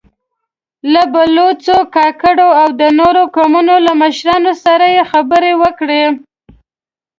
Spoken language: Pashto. له بلوڅو، کاکړو او د نورو قومونو له مشرانو سره يې خبرې وکړې.